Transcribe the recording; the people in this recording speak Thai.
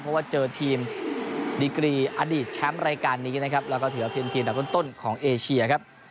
เพราะว่าเจอทีมดิกรีอดีตแชมป์รายการนี้นะครับแล้วก็ถือว่าเป็นทีมดับต้นของเอเชียครับ